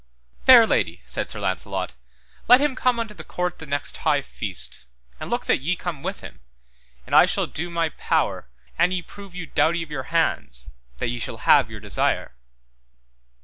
Fair lady, said Sir Launcelot, let him come unto the court the next high feast, and look that ye come with him, and I shall do my power, an ye prove you doughty of your hands, that ye shall have your desire.